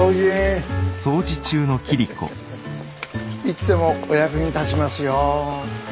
いつでもお役に立ちますよ。